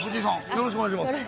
よろしくお願いします